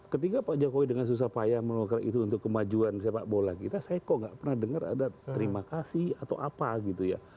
ketika pak jokowi dengan susah payah menolak itu untuk kemajuan sepak bola kita saya kok nggak pernah dengar ada terima kasih atau apa gitu ya